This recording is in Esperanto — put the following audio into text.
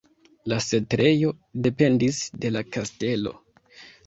La setlejo dependis de la kastelo.